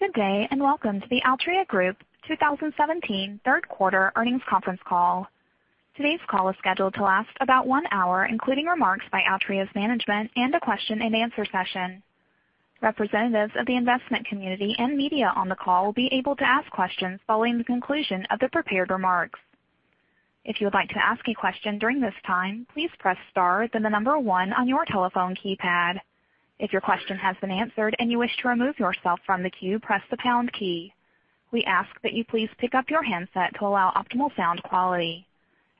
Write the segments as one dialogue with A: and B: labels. A: Good day, and welcome to the Altria Group 2017 third quarter earnings conference call. Today's call is scheduled to last about one hour, including remarks by Altria's management and a question and answer session. Representatives of the investment community and media on the call will be able to ask questions following the conclusion of the prepared remarks. If you would like to ask a question during this time, please press star, then 1 on your telephone keypad. If your question has been answered and you wish to remove yourself from the queue, press the pound key. We ask that you please pick up your handset to allow optimal sound quality.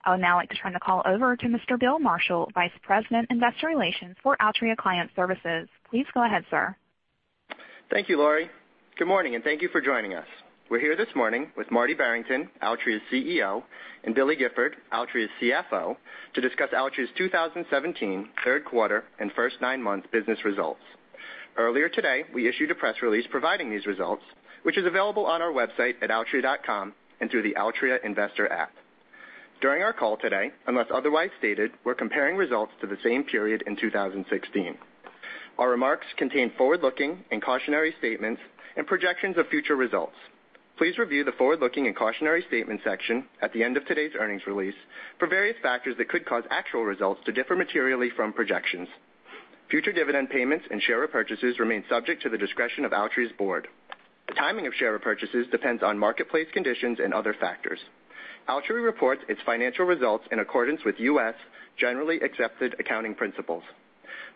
A: I would now like to turn the call over to Mr. William Marshall, Vice President, Investor Relations for Altria Client Services. Please go ahead, sir.
B: Thank you, Laurie. Good morning, and thank you for joining us. We're here this morning with Marty Barrington, Altria's CEO, and Billy Gifford, Altria's CFO, to discuss Altria's 2017 third quarter and first nine months business results. Earlier today, we issued a press release providing these results, which is available on our website at altria.com and through the Altria investor app. During our call today, unless otherwise stated, we're comparing results to the same period in 2016. Our remarks contain forward-looking and cautionary statements and projections of future results. Please review the forward-looking and cautionary statement section at the end of today's earnings release for various factors that could cause actual results to differ materially from projections. Future dividend payments and share repurchases remain subject to the discretion of Altria's board. The timing of share repurchases depends on marketplace conditions and other factors. Altria reports its financial results in accordance with U.S. generally accepted accounting principles.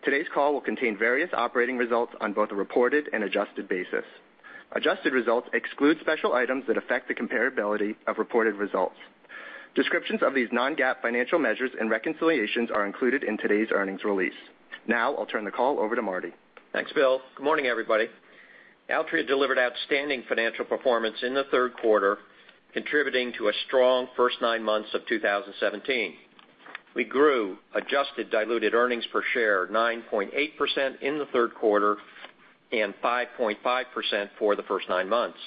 B: Today's call will contain various operating results on both a reported and adjusted basis. Adjusted results exclude special items that affect the comparability of reported results. Descriptions of these non-GAAP financial measures and reconciliations are included in today's earnings release. Now, I'll turn the call over to Marty.
C: Thanks, Bill. Good morning, everybody. Altria delivered outstanding financial performance in the third quarter, contributing to a strong first nine months of 2017. We grew adjusted diluted earnings per share 9.8% in the third quarter and 5.5% for the first nine months.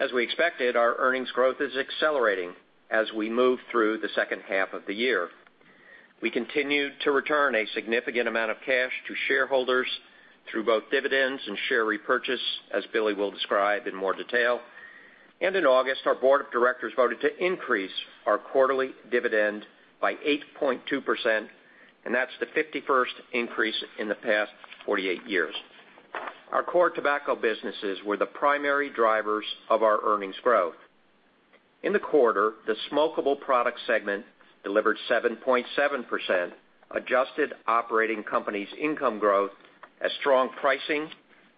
C: As we expected, our earnings growth is accelerating as we move through the second half of the year. We continued to return a significant amount of cash to shareholders through both dividends and share repurchase, as Billy will describe in more detail. In August, our board of directors voted to increase our quarterly dividend by 8.2%, and that's the 51st increase in the past 48 years. Our core tobacco businesses were the primary drivers of our earnings growth. In the quarter, the smokable product segment delivered 7.7% adjusted operating company's income growth as strong pricing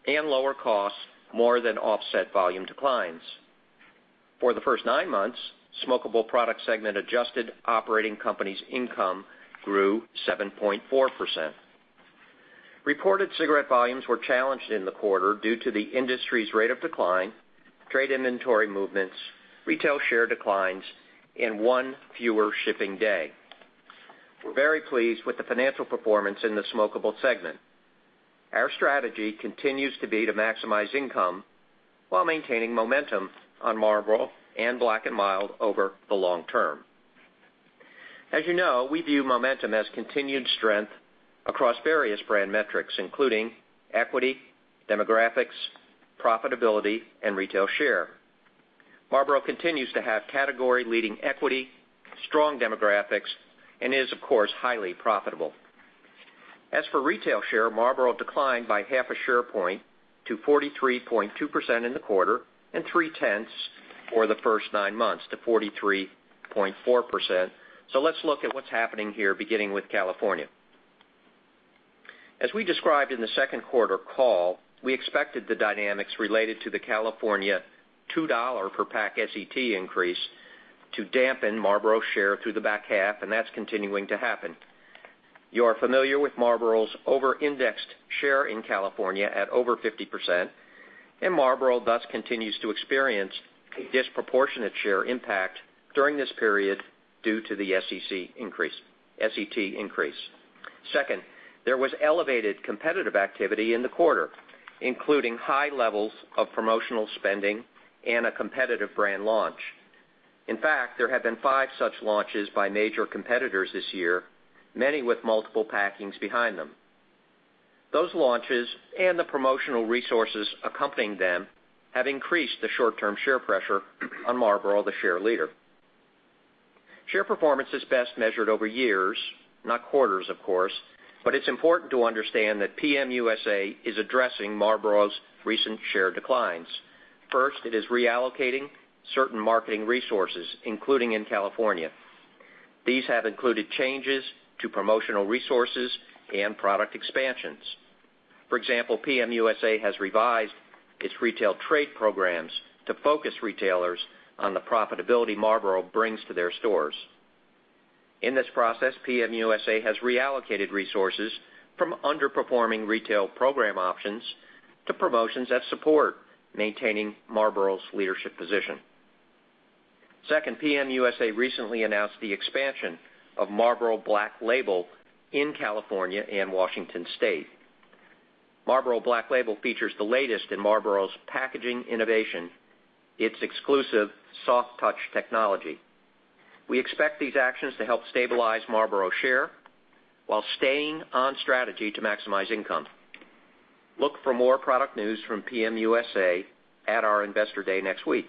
C: and lower costs more than offset volume declines. For the first nine months, smokable product segment adjusted operating company's income grew 7.4%. Reported cigarette volumes were challenged in the quarter due to the industry's rate of decline, trade inventory movements, retail share declines, and one fewer shipping day. We're very pleased with the financial performance in the smokable segment. Our strategy continues to be to maximize income while maintaining momentum on Marlboro and Black & Mild over the long term. As you know, we view momentum as continued strength across various brand metrics, including equity, demographics, profitability, and retail share. Marlboro continues to have category-leading equity, strong demographics, and is, of course, highly profitable. As for retail share, Marlboro declined by half a share point to 43.2% in the quarter and three-tenths for the first nine months to 43.4%. Let's look at what's happening here, beginning with California. As we described in the second quarter call, we expected the dynamics related to the California $2 per pack SET increase to dampen Marlboro share through the back half, and that's continuing to happen. You are familiar with Marlboro's over-indexed share in California at over 50%, and Marlboro thus continues to experience a disproportionate share impact during this period due to the SET increase. Second, there was elevated competitive activity in the quarter, including high levels of promotional spending and a competitive brand launch. In fact, there have been five such launches by major competitors this year, many with multiple packings behind them. Those launches and the promotional resources accompanying them have increased the short-term share pressure on Marlboro, the share leader. Share performance is best measured over years, not quarters, of course, but it's important to understand that PM USA is addressing Marlboro's recent share declines. First, it is reallocating certain marketing resources, including in California. These have included changes to promotional resources and product expansions. For example, PM USA has revised its retail trade programs to focus retailers on the profitability Marlboro brings to their stores. In this process, PM USA has reallocated resources from underperforming retail program options to promotions that support maintaining Marlboro's leadership position. Second, PM USA recently announced the expansion of Marlboro Black Label in California and Washington State. Marlboro Black Label features the latest in Marlboro's packaging innovation, its exclusive soft touch technology. We expect these actions to help stabilize Marlboro share while staying on strategy to maximize income. Look for more product news from PM USA at our Investor Day next week.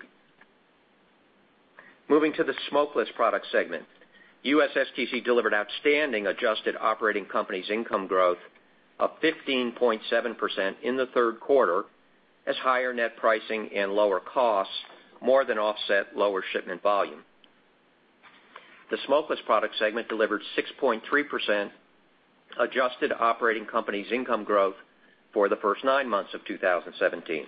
C: Moving to the smokeless product segment. USSTC delivered outstanding adjusted operating company's income growth of 15.7% in the third quarter as higher net pricing and lower costs more than offset lower shipment volume. The smokeless product segment delivered 6.3% adjusted operating company's income growth for the first nine months of 2017.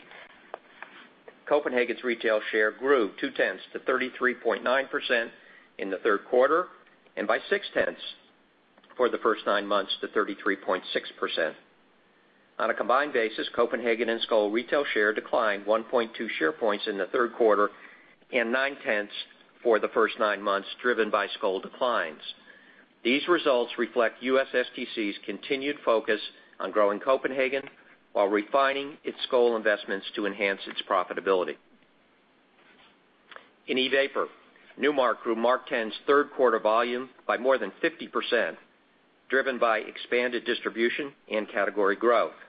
C: Copenhagen's retail share grew two-tenths to 33.9% in the third quarter, and by six-tenths for the first nine months to 33.6%. On a combined basis, Copenhagen and Skoal retail share declined 1.2 share points in the third quarter and nine-tenths for the first nine months, driven by Skoal declines. These results reflect USSTC's continued focus on growing Copenhagen while refining its Skoal investments to enhance its profitability. In e-vapor, Nu Mark grew MarkTen's third quarter volume by more than 50%, driven by expanded distribution and category growth.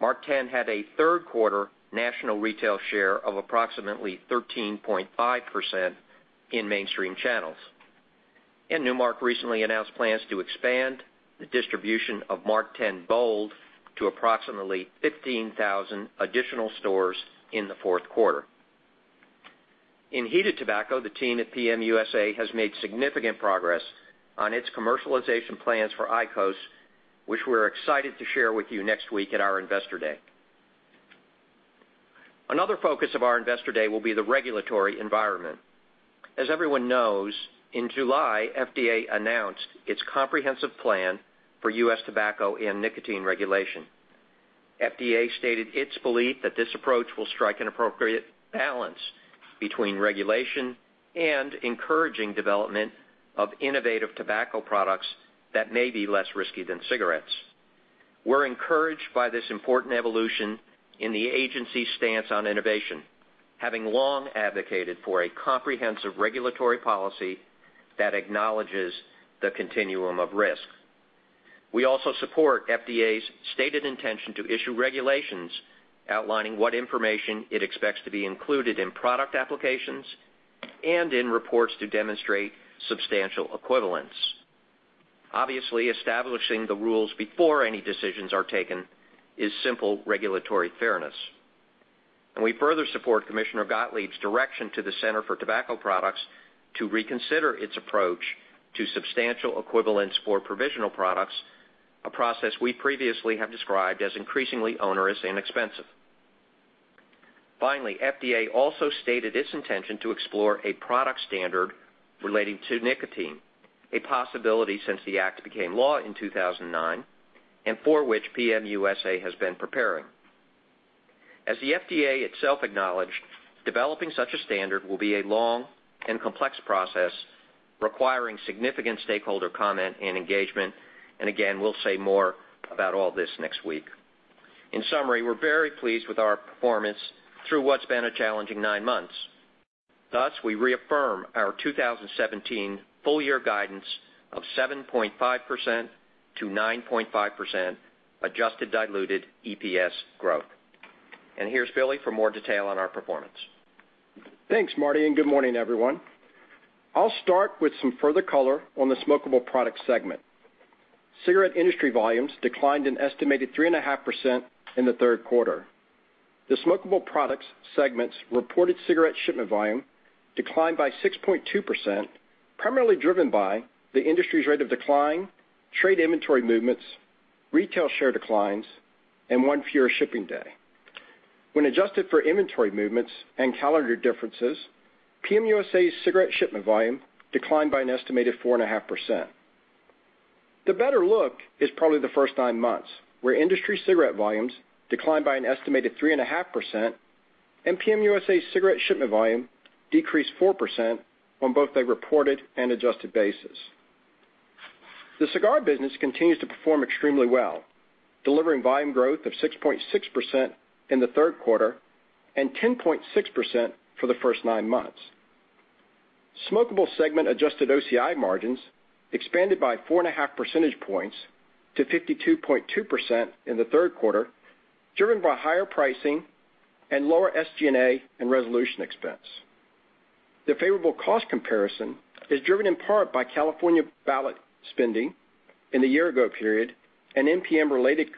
C: MarkTen had a third quarter national retail share of approximately 13.5% in mainstream channels. Nu Mark recently announced plans to expand the distribution of MarkTen Bold to approximately 15,000 additional stores in the fourth quarter. In heated tobacco, the team at PM USA has made significant progress on its commercialization plans for IQOS, which we're excited to share with you next week at our Investor Day. Another focus of our Investor Day will be the regulatory environment. As everyone knows, in July, FDA announced its comprehensive plan for U.S. tobacco and nicotine regulation. FDA stated its belief that this approach will strike an appropriate balance between regulation and encouraging development of innovative tobacco products that may be less risky than cigarettes. We're encouraged by this important evolution in the agency's stance on innovation, having long advocated for a comprehensive regulatory policy that acknowledges the continuum of risk. We also support FDA's stated intention to issue regulations outlining what information it expects to be included in product applications and in reports to demonstrate substantial equivalence. Obviously, establishing the rules before any decisions are taken is simple regulatory fairness. We further support Commissioner Gottlieb's direction to the Center for Tobacco Products to reconsider its approach to substantial equivalence for provisional products, a process we previously have described as increasingly onerous and expensive. Finally, FDA also stated its intention to explore a product standard relating to nicotine, a possibility since the act became law in 2009, and for which PM USA has been preparing. As the FDA itself acknowledged, developing such a standard will be a long and complex process requiring significant stakeholder comment and engagement, and again, we'll say more about all this next week. In summary, we're very pleased with our performance through what's been a challenging nine months. Thus, we reaffirm our 2017 full year guidance of 7.5%-9.5% adjusted diluted EPS growth. Here's Billy for more detail on our performance.
D: Thanks, Marty, and good morning, everyone. I'll start with some further color on the smokable product segment. Cigarette industry volumes declined an estimated 3.5% in the third quarter. The smokable products segment's reported cigarette shipment volume declined by 6.2%, primarily driven by the industry's rate of decline, trade inventory movements, retail share declines, and one fewer shipping day. When adjusted for inventory movements and calendar differences, PM USA's cigarette shipment volume declined by an estimated 4.5%. The better look is probably the first nine months, where industry cigarette volumes declined by an estimated 3.5%, and PM USA's cigarette shipment volume decreased 4% on both a reported and adjusted basis. The cigar business continues to perform extremely well, delivering volume growth of 6.6% in the third quarter and 10.6% for the first nine months. Smokable segment adjusted OCI margins expanded by 4.5 percentage points to 52.2% in the third quarter, driven by higher pricing and lower SG&A and resolution expense. The favorable cost comparison is driven in part by California ballot spending in the year ago period and NPM-related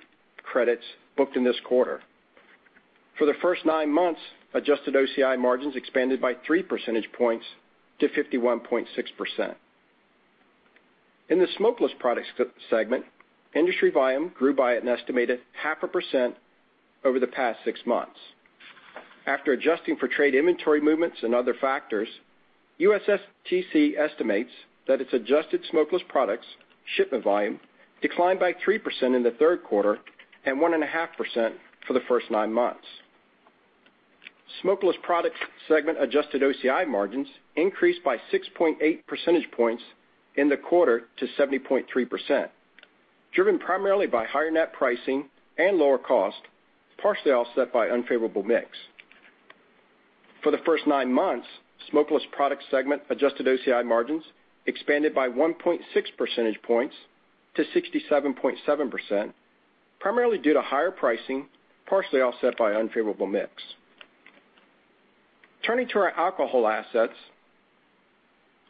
D: credits booked in this quarter. For the first nine months, adjusted OCI margins expanded by three percentage points to 51.6%. In the smokeless products segment, industry volume grew by an estimated half a percent over the past six months. After adjusting for trade inventory movements and other factors, USSTC estimates that its adjusted smokeless products shipment volume declined by 3% in the third quarter and 1.5% for the first nine months. Smokeless product segment adjusted OCI margins increased by 6.8 percentage points in the quarter to 70.3%, driven primarily by higher net pricing and lower cost, partially offset by unfavorable mix. For the first nine months, smokeless product segment adjusted OCI margins expanded by 1.6 percentage points to 67.7%, primarily due to higher pricing, partially offset by unfavorable mix. Turning to our alcohol assets,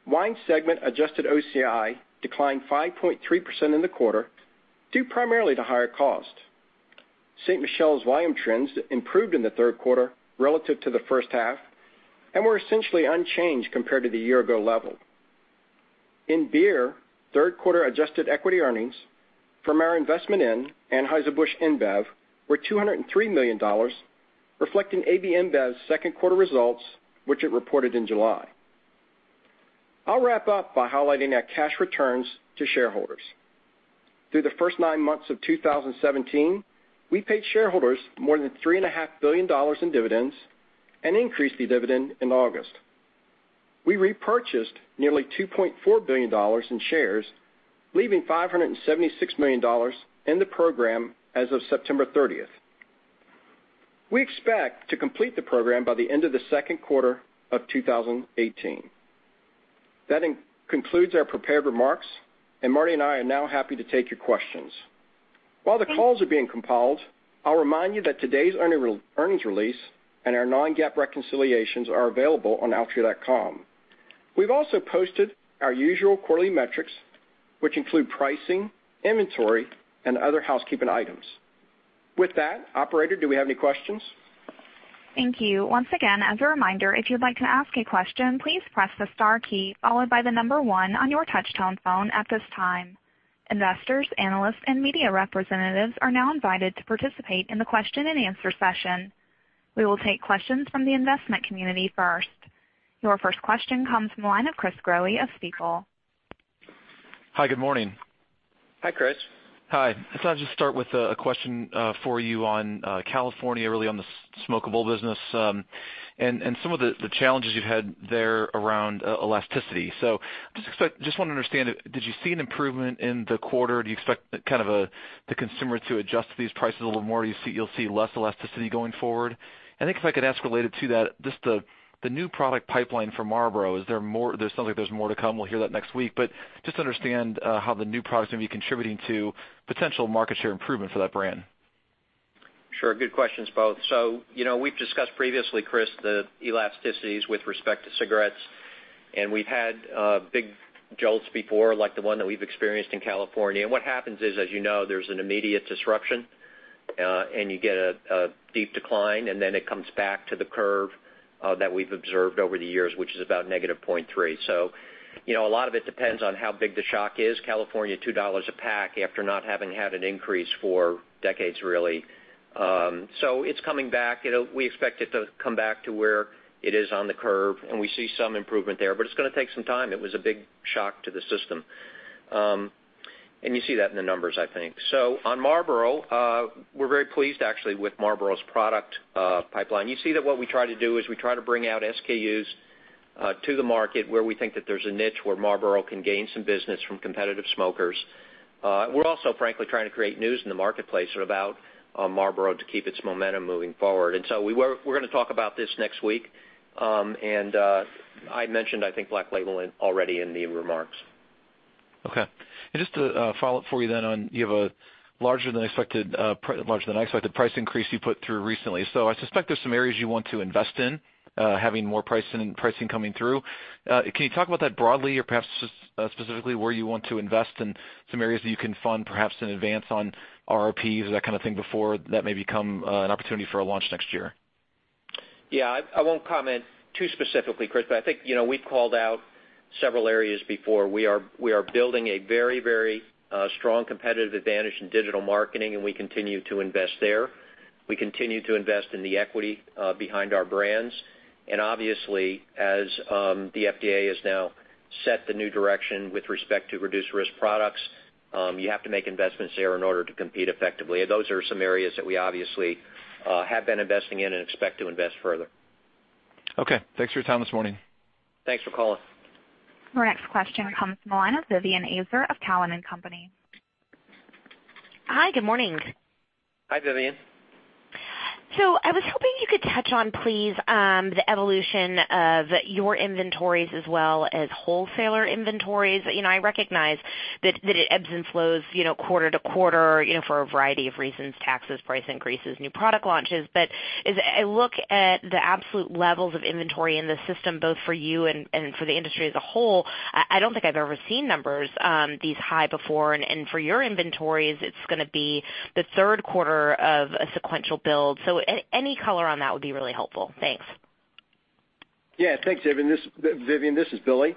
D: wine segment adjusted OCI declined 5.3% in the quarter, due primarily to higher cost. Ste. Michelle's volume trends improved in the third quarter relative to the first half and were essentially unchanged compared to the year-ago level. In beer, third quarter adjusted equity earnings from our investment in Anheuser-Busch InBev were $203 million, reflecting AB InBev's second quarter results, which it reported in July. I'll wrap up by highlighting our cash returns to shareholders. Through the first nine months of 2017, we paid shareholders more than $3.5 billion in dividends and increased the dividend in August. We repurchased nearly $2.4 billion in shares, leaving $576 million in the program as of September 30th. We expect to complete the program by the end of the second quarter of 2018. That concludes our prepared remarks, and Marty and I are now happy to take your questions. While the calls are being compiled, I'll remind you that today's earnings release and our non-GAAP reconciliations are available on altria.com. We've also posted our usual quarterly metrics, which include pricing, inventory, and other housekeeping items. With that, operator, do we have any questions?
A: Thank you. Once again, as a reminder, if you'd like to ask a question, please press the star key followed by the number one on your touch-tone phone at this time. Investors, analysts, and media representatives are now invited to participate in the question and answer session. We will take questions from the investment community first. Your first question comes from the line of Chris Growe of Stifel.
E: Hi, good morning.
D: Hi, Chris.
E: Hi. I thought I'd just start with a question for you on California, really on the smokable business, and some of the challenges you've had there around elasticity. Just want to understand, did you see an improvement in the quarter? Do you expect the consumer to adjust to these prices a little more? You'll see less elasticity going forward? I think if I could ask related to that, just the new product pipeline for Marlboro. It sounds like there's more to come. We'll hear that next week. Just understand how the new products are going to be contributing to potential market share improvement for that brand.
D: Sure. Good questions, both. We've discussed previously, Chris, the elasticities with respect to cigarettes, and we've had big jolts before, like the one that we've experienced in California. What happens is, as you know, there's an immediate disruption, and you get a deep decline, and then it comes back to the curve that we've observed over the years, which is about negative 0.3. A lot of it depends on how big the shock is. California, $2 a pack after not having had an increase for decades, really. It's coming back. We expect it to come back to where it is on the curve, and we see some improvement there, but it's going to take some time. It was a big shock to the system. You see that in the numbers, I think. On Marlboro, we're very pleased actually with Marlboro's product pipeline. You see that what we try to do is we try to bring out SKUs to the market where we think that there's a niche where Marlboro can gain some business from competitive smokers. We're also, frankly, trying to create news in the marketplace about Marlboro to keep its momentum moving forward. We're going to talk about this next week, and I mentioned, I think, Black Label already in the remarks.
E: Okay. Just to follow up for you have a larger-than-expected price increase you put through recently. I suspect there's some areas you want to invest in, having more pricing coming through. Can you talk about that broadly or perhaps just specifically where you want to invest and some areas that you can fund, perhaps in advance on RRPs, that kind of thing, before that may become an opportunity for a launch next year?
D: Yeah, I won't comment too specifically, Chris, but I think we've called out several areas before. We are building a very strong competitive advantage in digital marketing, and we continue to invest there. We continue to invest in the equity behind our brands. Obviously, as the FDA has now set the new direction with respect to Reduced-Risk Products, you have to make investments there in order to compete effectively, and those are some areas that we obviously have been investing in and expect to invest further.
E: Okay. Thanks for your time this morning.
D: Thanks for calling.
A: Our next question comes from the line of Vivien Azer of Cowen and Company.
F: Hi, good morning.
D: Hi, Vivien.
F: I was hoping you could touch on, please, the evolution of your inventories as well as wholesaler inventories. I recognize that it ebbs and flows quarter to quarter for a variety of reasons, taxes, price increases, new product launches. As I look at the absolute levels of inventory in the system, both for you and for the industry as a whole, I don't think I've ever seen numbers these high before. For your inventories, it's going to be the third quarter of a sequential build. Any color on that would be really helpful. Thanks.
D: Thanks, Vivien. This is Billy.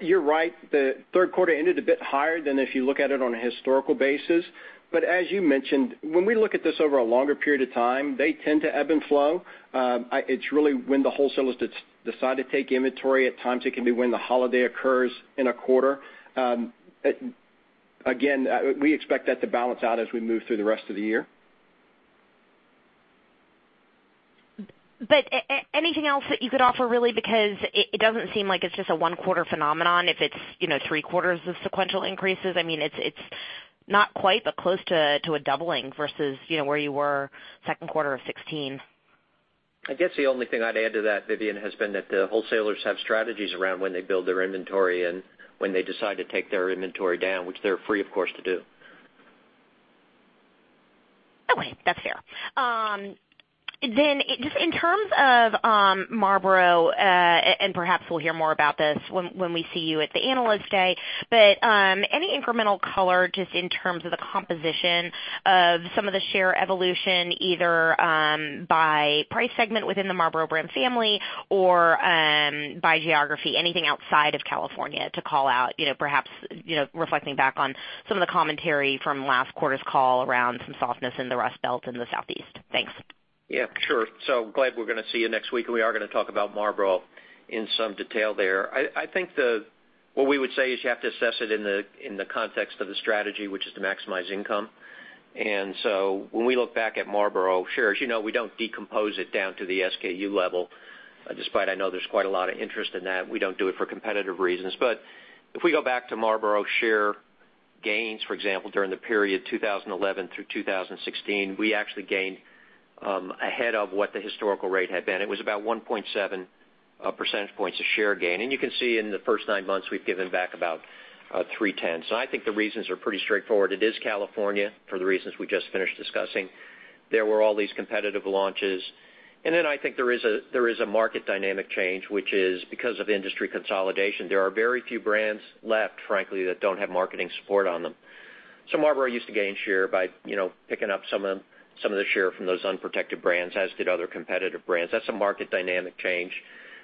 D: You're right. The third quarter ended a bit higher than if you look at it on a historical basis. As you mentioned, when we look at this over a longer period of time, they tend to ebb and flow. It's really when the wholesalers decide to take inventory. At times, it can be when the holiday occurs in a quarter. Again, we expect that to balance out as we move through the rest of the year.
F: Anything else that you could offer, really? It doesn't seem like it's just a one-quarter phenomenon. If it's three quarters of sequential increases, it's not quite, but close to a doubling versus where you were second quarter of 2016.
C: I guess the only thing I'd add to that, Vivien, has been that the wholesalers have strategies around when they build their inventory and when they decide to take their inventory down, which they're free, of course, to do.
F: Okay. That's fair. Just in terms of Marlboro, and perhaps we'll hear more about this when we see you at the Analyst Day, but any incremental color just in terms of the composition of some of the share evolution, either by price segment within the Marlboro brand family or by geography, anything outside of California to call out, perhaps reflecting back on some of the commentary from last quarter's call around some softness in the Rust Belt in the Southeast? Thanks.
C: Yeah. Sure. Glad we're going to see you next week, and we are going to talk about Marlboro in some detail there. I think what we would say is you have to assess it in the context of the strategy, which is to maximize income. When we look back at Marlboro shares, we don't decompose it down to the SKU level. Despite I know there's quite a lot of interest in that, we don't do it for competitive reasons. If we go back to Marlboro share gains, for example, during the period 2011 through 2016, we actually gained ahead of what the historical rate had been. It was about 1.7 percentage points of share gain. You can see in the first nine months, we've given back about 0.3. I think the reasons are pretty straightforward. It is California, for the reasons we just finished discussing. There were all these competitive launches. I think there is a market dynamic change, which is because of industry consolidation. There are very few brands left, frankly, that don't have marketing support on them. Marlboro used to gain share by picking up some of the share from those unprotected brands, as did other competitive brands. That's a market dynamic change.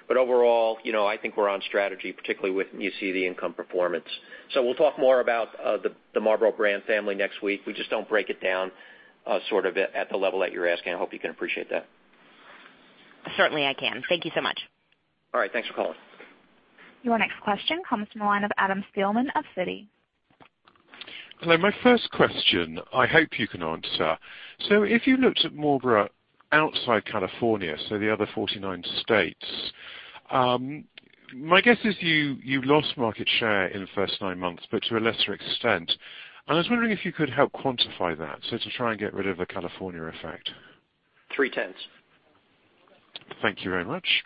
C: Overall, I think we're on strategy, particularly when you see the income performance. We'll talk more about the Marlboro brand family next week. We just don't break it down sort of at the level that you're asking. I hope you can appreciate that.
F: Certainly I can. Thank you so much.
C: All right. Thanks for calling.
A: Your next question comes from the line of Adam Spielman of Citi.
G: Hello, my first question, I hope you can answer. If you looked at Marlboro outside California, the other 49 states, my guess is you've lost market share in the first nine months, but to a lesser extent. I was wondering if you could help quantify that, to try and get rid of the California effect.
C: 3/10.
G: Thank you very much.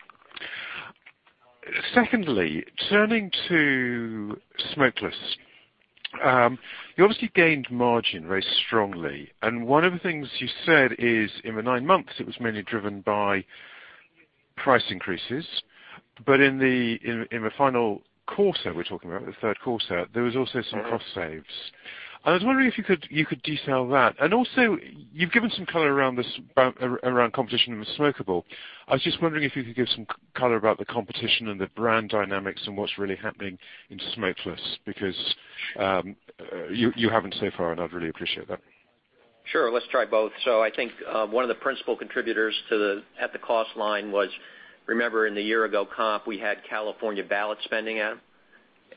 G: Secondly, turning to smokeless. You obviously gained margin very strongly, and one of the things you said is in the nine months, it was mainly driven by price increases. In the final quarter we're talking about, the third quarter, there was also some cost saves. I was wondering if you could detail that. Also, you've given some color around competition with smokable. I was just wondering if you could give some color about the competition and the brand dynamics and what's really happening in smokeless, because you haven't so far, and I'd really appreciate that.
C: Sure. Let's try both. I think one of the principal contributors at the cost line was, remember in the year ago comp, we had California ballot spending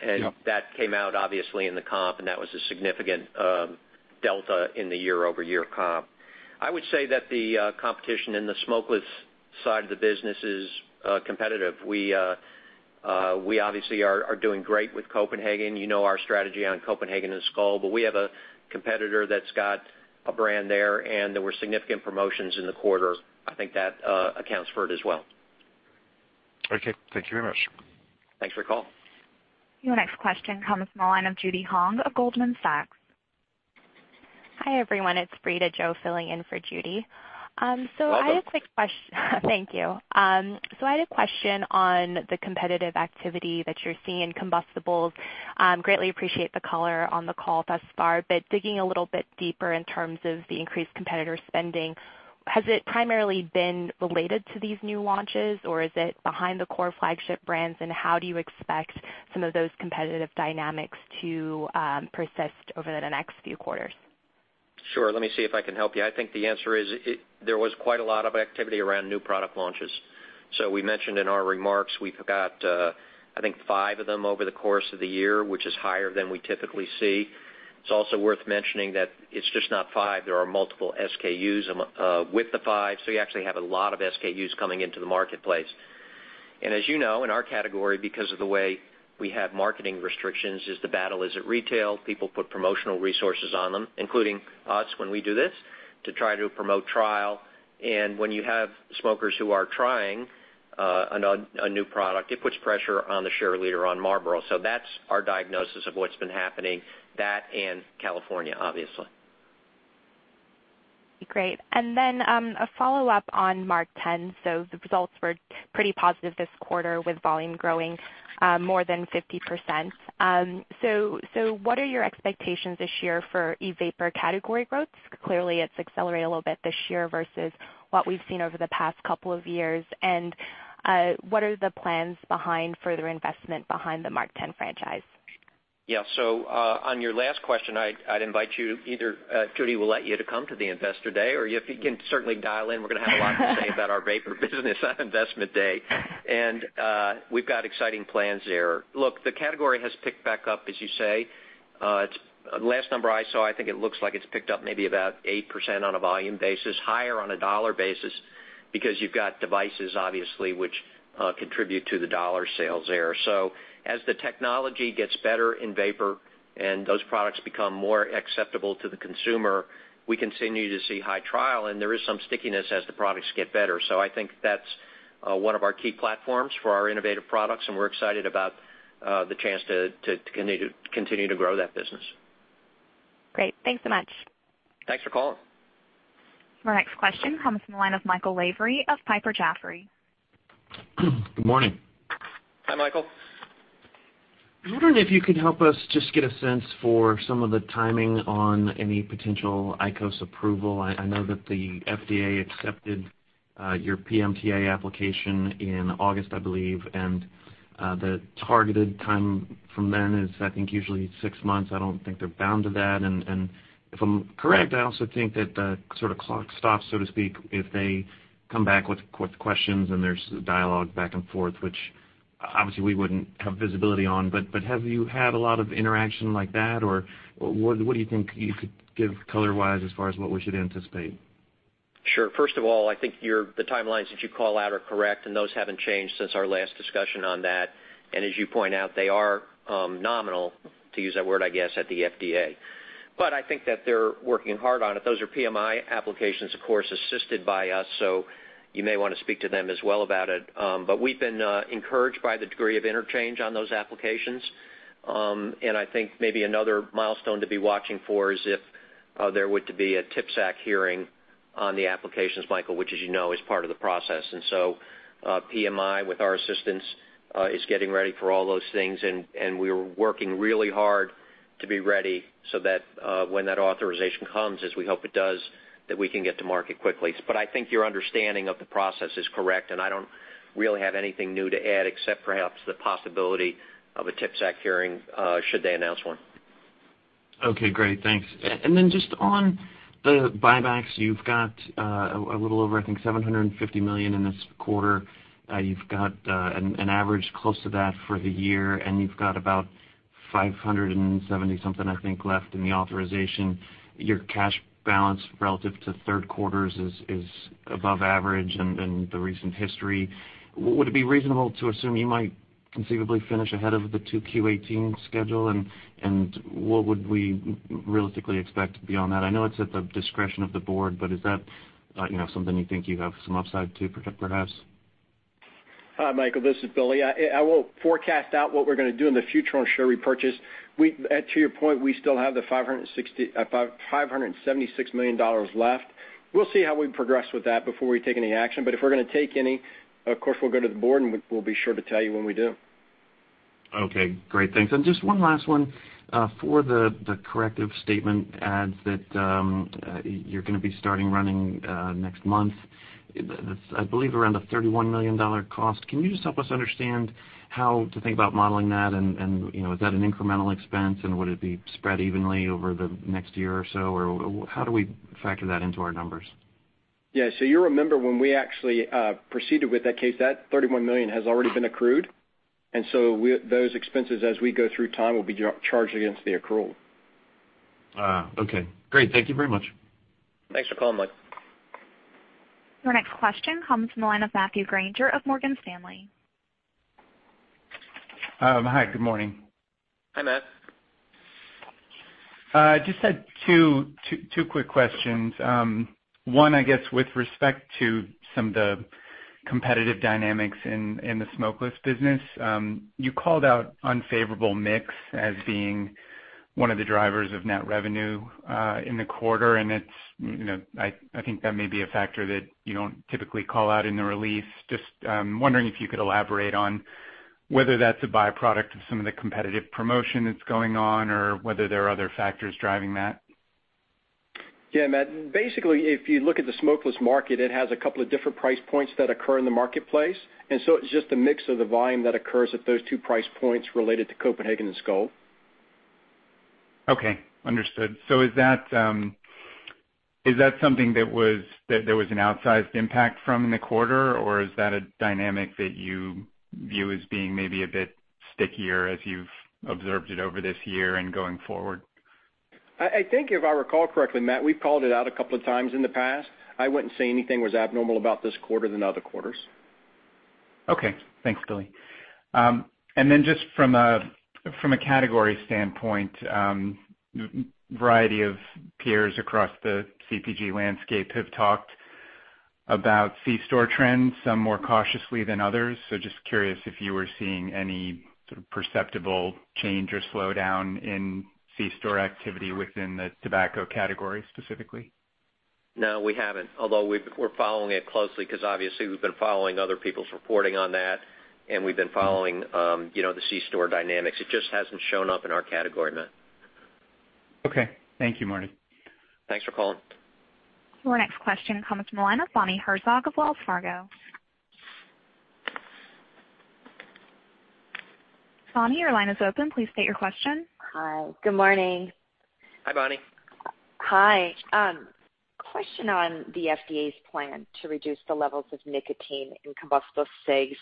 C: ad.
G: Yeah.
C: That came out obviously in the comp, that was a significant delta in the year-over-year comp. I would say that the competition in the smokeless side of the business is competitive. We obviously are doing great with Copenhagen. You know our strategy on Copenhagen and Skoal, we have a competitor that's got a brand there were significant promotions in the quarter. I think that accounts for it as well.
G: Okay. Thank you very much.
C: Thanks for call.
A: Your next question comes from the line of Judy Hong of Goldman Sachs.
H: Hi, everyone. It's Frida Joe filling in for Judy.
C: Welcome.
H: Thank you. I had a question on the competitive activity that you're seeing in combustibles. Greatly appreciate the color on the call thus far, but digging a little bit deeper in terms of the increased competitor spending, has it primarily been related to these new launches, or is it behind the core flagship brands? How do you expect some of those competitive dynamics to persist over the next few quarters?
C: Sure. Let me see if I can help you. I think the answer is there was quite a lot of activity around new product launches. We mentioned in our remarks, we've got I think five of them over the course of the year, which is higher than we typically see. It's also worth mentioning that it's just not five. There are multiple SKUs with the five, so you actually have a lot of SKUs coming into the marketplace. As you know, in our category, because of the way we have marketing restrictions, is the battle is at retail. People put promotional resources on them, including us when we do this, to try to promote trial. When you have smokers who are trying a new product, it puts pressure on the share leader on Marlboro. That's our diagnosis of what's been happening, that and California, obviously.
H: Great. Then, a follow-up on MarkTen. The results were pretty positive this quarter with volume growing more than 50%. What are your expectations this year for e-vapor category growth? Clearly, it's accelerated a little bit this year versus what we've seen over the past couple of years. What are the plans behind further investment behind the MarkTen franchise?
C: Yeah. On your last question, I'd invite you, either Judy will let you to come to the Investor Day, or if you can certainly dial in, we're going to have a lot to say about our vapor business on Investment Day, we've got exciting plans there. Look, the category has picked back up, as you say. Last number I saw, I think it looks like it's picked up maybe about 8% on a volume basis, higher on a dollar basis, because you've got devices, obviously, which contribute to the dollar sales there. As the technology gets better in vapor and those products become more acceptable to the consumer, we continue to see high trial, there is some stickiness as the products get better. I think that's one of our key platforms for our innovative products, we're excited about the chance to continue to grow that business.
H: Great. Thanks so much.
C: Thanks for calling.
A: Our next question comes from the line of Michael Lavery of Piper Jaffray.
I: Good morning.
C: Hi, Michael.
I: I'm wondering if you could help us just get a sense for some of the timing on any potential IQOS approval. I know that the FDA accepted your PMTA application in August, I believe, and the targeted time from then is, I think, usually six months. I don't think they're bound to that, if I'm correct, I also think that the clock stops, so to speak, if they come back with questions and there's dialogue back and forth, which obviously we wouldn't have visibility on. Have you had a lot of interaction like that? What do you think you could give color-wise as far as what we should anticipate?
C: Sure. First of all, I think the timelines that you call out are correct, those haven't changed since our last discussion on that. As you point out, they are nominal, to use that word, I guess, at the FDA. I think that they're working hard on it. Those are PMI applications, of course, assisted by us, so you may want to speak to them as well about it. We've been encouraged by the degree of interchange on those applications. I think maybe another milestone to be watching for is if there were to be a TPSAC hearing on the applications, Michael, which as you know, is part of the process. PMI, with our assistance, is getting ready for all those things, and we're working really hard to be ready so that when that authorization comes, as we hope it does, that we can get to market quickly. I think your understanding of the process is correct, and I don't really have anything new to add except perhaps the possibility of a TPSAC hearing should they announce one.
I: Okay, great. Thanks. Just on the buybacks, you've got a little over, I think, $750 million in this quarter. You've got an average close to that for the year, and you've got about 570 something, I think, left in the authorization. Your cash balance relative to third quarters is above average in the recent history. Would it be reasonable to assume you might conceivably finish ahead of the 2 Q18 schedule? What would we realistically expect beyond that? I know it's at the discretion of the board, is that something you think you have some upside to perhaps?
D: Hi, Michael, this is Billy. I won't forecast out what we're going to do in the future on share repurchase. To your point, we still have the $576 million left. We'll see how we progress with that before we take any action. If we're going to take any, of course we'll go to the board, we'll be sure to tell you when we do.
I: Okay, great. Thanks. Just one last one. For the corrective statement ads that you're going to be starting running next month, I believe around a $31 million cost. Can you just help us understand how to think about modeling that? Is that an incremental expense? Would it be spread evenly over the next year or so? How do we factor that into our numbers?
D: Yeah. You remember when we actually proceeded with that case, that $31 million has already been accrued. Those expenses, as we go through time, will be charged against the accrual.
I: Okay. Great. Thank you very much.
D: Thanks for calling, Mike.
A: Your next question comes from the line of Matthew Grainger of Morgan Stanley.
J: Hi, good morning.
C: Hi, Matt.
J: Just had two quick questions. One, I guess, with respect to some of the competitive dynamics in the smokeless business. You called out unfavorable mix as being one of the drivers of net revenue in the quarter, I think that may be a factor that you don't typically call out in the release. Just wondering if you could elaborate on whether that's a byproduct of some of the competitive promotion that's going on or whether there are other factors driving that.
C: Yeah, Matt. Basically, if you look at the smokeless market, it has a couple of different price points that occur in the marketplace, it's just a mix of the volume that occurs at those two price points related to Copenhagen and Skoal.
J: Okay, understood. Is that something that there was an outsized impact from in the quarter, or is that a dynamic that you view as being maybe a bit stickier as you've observed it over this year and going forward?
D: I think if I recall correctly, Matt, we've called it out a couple of times in the past. I wouldn't say anything was abnormal about this quarter than other quarters.
J: Okay. Thanks, Billy. Just from a category standpoint, a variety of peers across the CPG landscape have talked about C-store trends, some more cautiously than others. Just curious if you were seeing any sort of perceptible change or slowdown in C-store activity within the tobacco category specifically.
C: No, we haven't, although we're following it closely because obviously we've been following other people's reporting on that, and we've been following the C-store dynamics. It just hasn't shown up in our category, Matt.
J: Okay. Thank you, Marty.
C: Thanks for calling.
A: Our next question comes from the line of Bonnie Herzog of Wells Fargo. Bonnie, your line is open. Please state your question.
K: Hi. Good morning.
C: Hi, Bonnie.
K: Hi. Question on the FDA's plan to reduce the levels of nicotine in combustible cigs.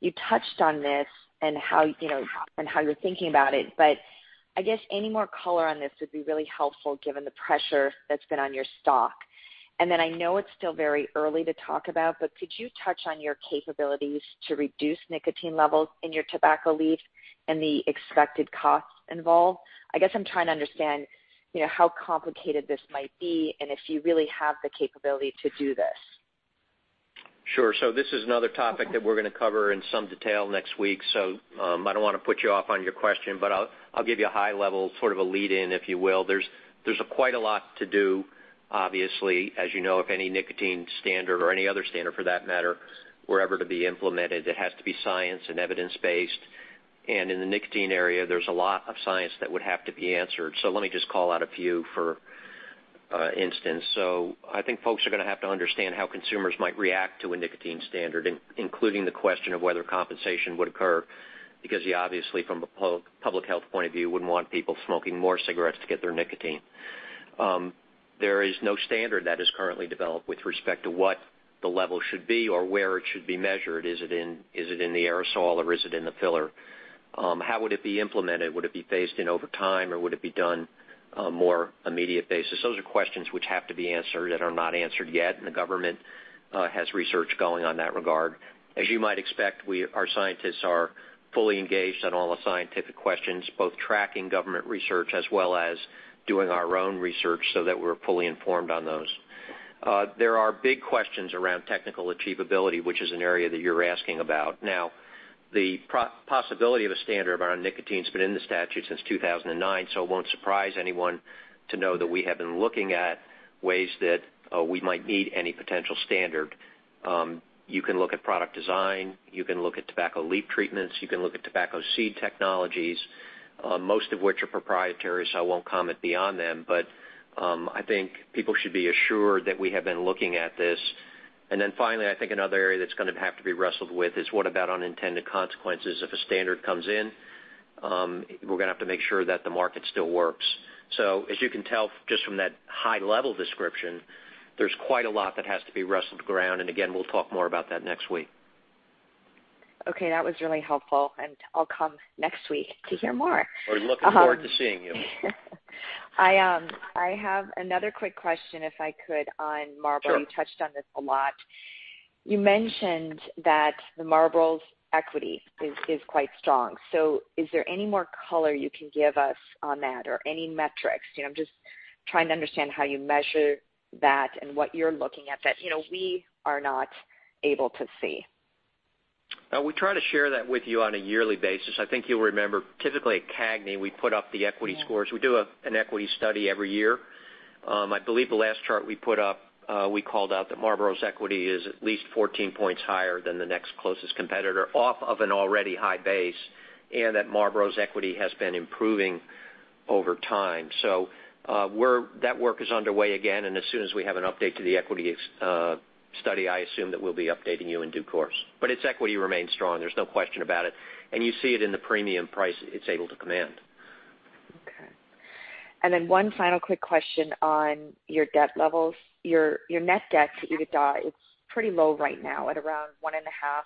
K: You touched on this and how you're thinking about it, but I guess any more color on this would be really helpful given the pressure that's been on your stock. I know it's still very early to talk about, but could you touch on your capabilities to reduce nicotine levels in your tobacco leaf and the expected costs involved? I guess I'm trying to understand how complicated this might be and if you really have the capability to do this.
C: Sure. This is another topic that we're going to cover in some detail next week. I don't want to put you off on your question, but I'll give you a high level, sort of a lead in, if you will. There's quite a lot to do, obviously, as you know, if any nicotine standard or any other standard for that matter, were ever to be implemented, it has to be science and evidence-based. In the nicotine area, there's a lot of science that would have to be answered. Let me just call out a few for instance. I think folks are going to have to understand how consumers might react to a nicotine standard, including the question of whether compensation would occur, because you obviously from a public health point of view, wouldn't want people smoking more cigarettes to get their nicotine. There is no standard that is currently developed with respect to what the level should be or where it should be measured. Is it in the aerosol or is it in the filler? How would it be implemented? Would it be phased in over time, or would it be done more immediate basis? Those are questions which have to be answered that are not answered yet, the government has research going on that regard. As you might expect, our scientists are fully engaged on all the scientific questions, both tracking government research as well as doing our own research so that we're fully informed on those. There are big questions around technical achievability, which is an area that you're asking about. Now, the possibility of a standard around nicotine's been in the statute since 2009, it won't surprise anyone to know that we have been looking at ways that we might meet any potential standard. You can look at product design. You can look at tobacco leaf treatments. You can look at tobacco seed technologies. Most of which are proprietary, I won't comment beyond them, but I think people should be assured that we have been looking at this. Finally, I think another area that's going to have to be wrestled with is what about unintended consequences. If a standard comes in, we're going to have to make sure that the market still works. As you can tell just from that high level description, there's quite a lot that has to be wrestled to ground. Again, we'll talk more about that next week.
K: Okay. That was really helpful. I'll come next week to hear more.
C: We're looking forward to seeing you.
K: I have another quick question, if I could, on Marlboro.
C: Sure.
K: You touched on this a lot. You mentioned that the Marlboro's equity is quite strong. Is there any more color you can give us on that or any metrics? I'm just trying to understand how you measure that and what you're looking at that we are not able to see.
C: We try to share that with you on a yearly basis. I think you'll remember, typically at CAGNY, we put up the equity scores. We do an equity study every year. I believe the last chart we put up, we called out that Marlboro's equity is at least 14 points higher than the next closest competitor off of an already high base, and that Marlboro's equity has been improving over time. That work is underway again, and as soon as we have an update to the equity study, I assume that we'll be updating you in due course. Its equity remains strong. There's no question about it. You see it in the premium price it's able to command.
K: Okay. One final quick question on your debt levels. Your net debt to EBITDA, it's pretty low right now at around one and a half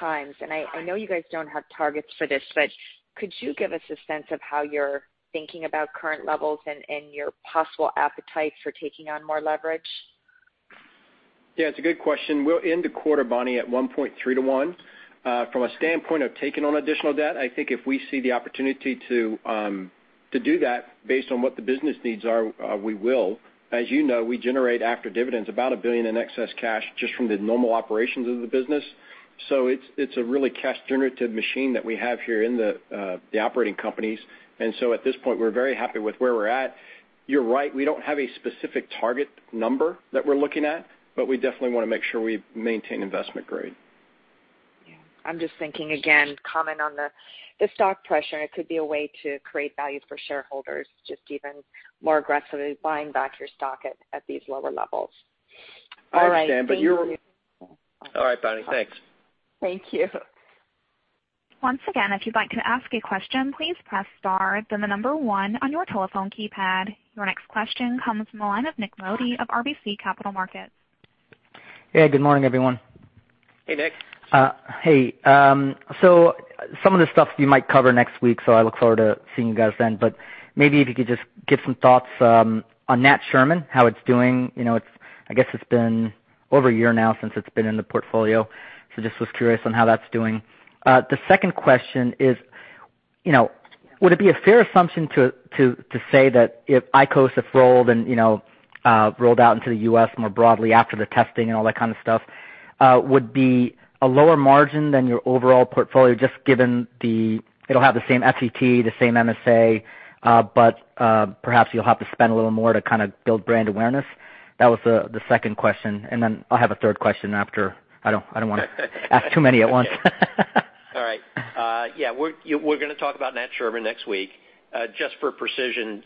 K: times. I know you guys don't have targets for this, but could you give us a sense of how you're thinking about current levels and your possible appetite for taking on more leverage?
D: Yeah, it's a good question. We'll end the quarter, Bonnie, at one point three to one. From a standpoint of taking on additional debt, I think if we see the opportunity to do that based on what the business needs are, we will. As you know, we generate after dividends, about a billion in excess cash just from the normal operations of the business. It's a really cash generative machine that we have here in the operating companies. At this point, we're very happy with where we're at. You're right, we don't have a specific target number that we're looking at, but we definitely want to make sure we maintain investment grade.
K: Yeah. I'm just thinking again, comment on the stock pressure, and it could be a way to create value for shareholders, just even more aggressively buying back your stock at these lower levels. All right. Thank you.
C: I understand. All right, Bonnie. Thanks.
K: Thank you.
A: Once again, if you'd like to ask a question, please press star then the number one on your telephone keypad. Your next question comes from the line of Nik Modi of RBC Capital Markets.
L: Yeah, good morning, everyone.
C: Hey, Nik.
L: Hey. Some of this stuff you might cover next week, so I look forward to seeing you guys then. Maybe if you could just give some thoughts on Nat Sherman, how it's doing. I guess it's been over a year now since it's been in the portfolio. Just was curious on how that's doing. The second question is, would it be a fair assumption to say that if IQOS have rolled out into the U.S. more broadly after the testing and all that kind of stuff, would be a lower margin than your overall portfolio just given the, it'll have the same FET, the same MSA, but perhaps you'll have to spend a little more to build brand awareness? That was the second question. Then I'll have a third question after. I don't want to ask too many at once.
C: Yeah, we're going to talk about Nat Sherman next week. Just for precision,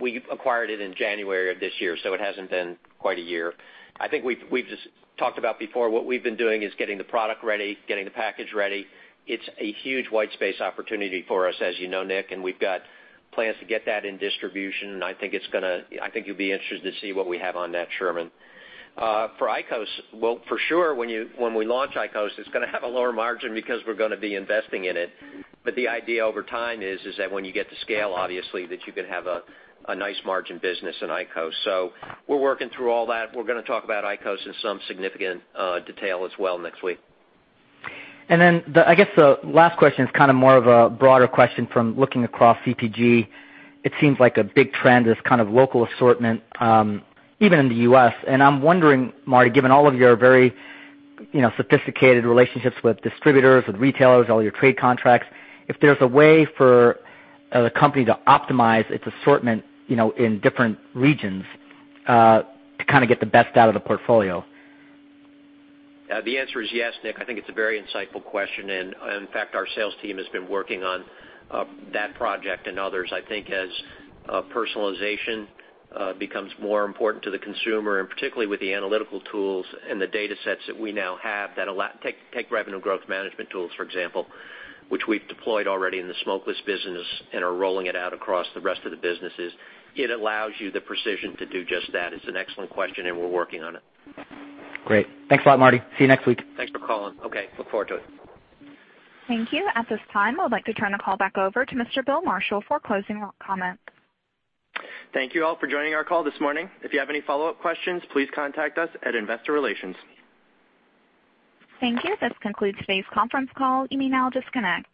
C: we acquired it in January of this year, so it hasn't been quite a year. I think we've just talked about before, what we've been doing is getting the product ready, getting the package ready. It's a huge white space opportunity for us, as you know, Nik, and we've got plans to get that in distribution, and I think you'll be interested to see what we have on Nat Sherman. For IQOS, well, for sure, when we launch IQOS, it's going to have a lower margin because we're going to be investing in it. The idea over time is that when you get to scale, obviously, that you can have a nice margin business in IQOS. We're working through all that. We're going to talk about IQOS in some significant detail as well next week.
L: I guess the last question is kind of more of a broader question from looking across CPG. It seems like a big trend, this kind of local assortment, even in the U.S. I'm wondering, Marty, given all of your very sophisticated relationships with distributors, with retailers, all your trade contracts, if there's a way for the company to optimize its assortment in different regions, to kind of get the best out of the portfolio.
C: The answer is yes, Nik. I think it's a very insightful question. In fact, our sales team has been working on that project and others. I think as personalization becomes more important to the consumer, particularly with the analytical tools and the data sets that we now have, take revenue growth management tools, for example, which we've deployed already in the smokeless business, are rolling it out across the rest of the businesses. It allows you the precision to do just that. It's an excellent question. We're working on it.
L: Great. Thanks a lot, Marty. See you next week.
C: Thanks for calling. Okay, look forward to it.
A: Thank you. At this time, I'd like to turn the call back over to Mr. William Marshall for closing comments.
B: Thank you all for joining our call this morning. If you have any follow-up questions, please contact us at Investor Relations.
A: Thank you. This concludes today's conference call. You may now disconnect.